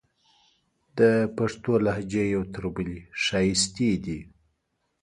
د پښتو لهجې یو تر بلې ښایستې دي.